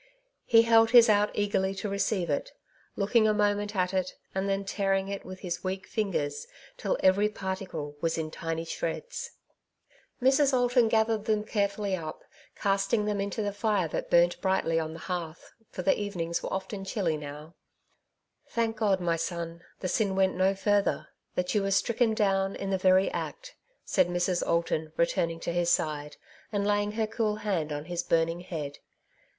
He held his out eagerly to receive it, looking a moment at it, and then tearing it with his weak fingers, till every particle was in tiny shreds. Mrs. Alton gathered them carefully up, casting them into the fire that burnt brightly on the hearth, for the evenings were often chilly now. # k 224 " Two Sides to every Question.^* '^ Thank God, my son, the sin went no farther that you were stricken down in the very act," said Mrs. Alton, returning to his side, and laying her cool hand on his burning head.